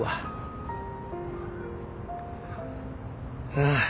ああ。